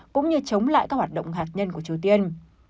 cũng như chống lại các hoạt động hạt nhân của triều tiên